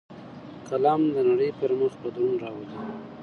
قلم د نړۍ پر مخ بدلون راولي